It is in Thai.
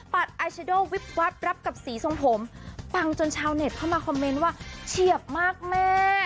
อาชโดวิบวับรับกับสีทรงผมปังจนชาวเน็ตเข้ามาคอมเมนต์ว่าเฉียบมากแม่